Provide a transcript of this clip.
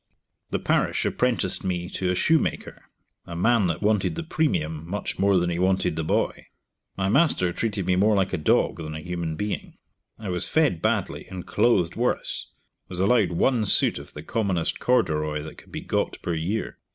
The parish apprenticed me to a shoe maker, a man that wanted the premium much more than he wanted the boy. My master treated me more like a dog than a human being. I was fed badly, and clothed worse; was allowed one suit of the commonest corderoy that could be got per year.